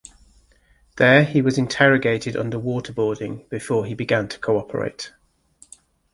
There he was interrogated under waterboarding before he began to cooperate.